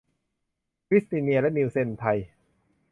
คริสเตียนีและนีลเส็น ไทย